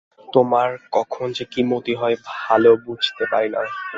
তােমার কখন যে কি মতি হয়, ভাল বুঝিতে পারি না!